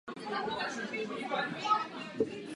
Potřebujeme vědět, kde jsou vyškolené týmy záchranné služby.